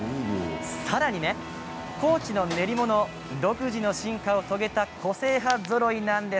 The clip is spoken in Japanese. さらに、高知の練り物独自の進化を遂げた個性派ぞろいなんです。